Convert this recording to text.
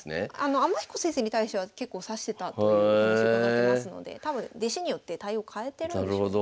天彦先生に対しては結構指してたという話伺ってますので多分弟子によって対応変えてるんでしょうね。